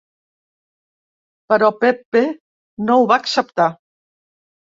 Però Pepe no ho va acceptar.